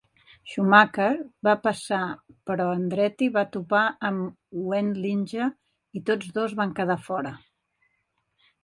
Schumacher va passar, però Andretti va topar amb Wendlinger i tots dos van quedar fora.